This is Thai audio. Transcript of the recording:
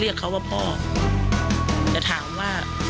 มีความรู้สึกว่า